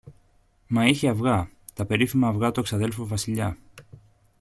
Μα είχε αυγά, τα περίφημα αυγά του εξαδέλφου Βασιλιά.